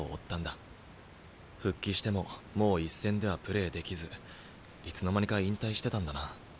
復帰してももう一線ではプレーできずいつの間にか引退してたんだな。